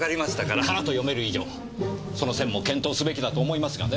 「から」と読める以上その線も検討すべきだと思いますがね。